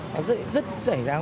rất dễ dàng